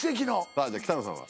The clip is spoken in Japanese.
さぁじゃあ北野さんは？